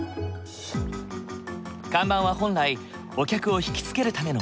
看板は本来お客を引き付けるためのもの。